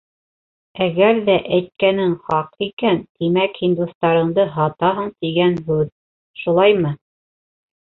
Әгәр ҙә әйткәнең хаҡ икән, тимәк һин дуҫтарыңды һатаһың тигән һүҙ, шулаймы?